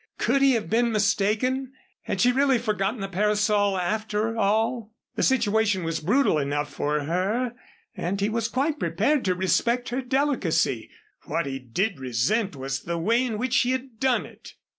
Could he have been mistaken? Had she really forgotten the parasol after all? The situation was brutal enough for her and he was quite prepared to respect her delicacy. What he did resent was the way in which she had done it.